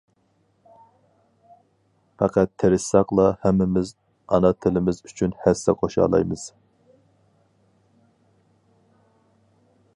پەقەت تىرىشساقلا ھەممىمىز ئانا تىلىمىز ئۈچۈن ھەسسە قوشالايمىز.